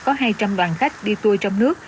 có hai trăm linh đoàn khách đi tour trong nước